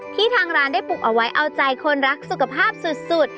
ทางร้านได้ปลูกเอาไว้เอาใจคนรักสุขภาพสุด